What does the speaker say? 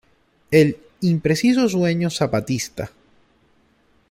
El impreciso sueño zapatista.